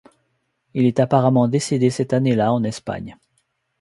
Il est apparemment décédé cette année-là en Espagne.